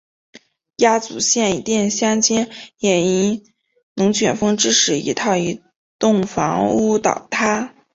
亚祖县伊甸乡间也因龙卷风致使一套移动房屋倒塌。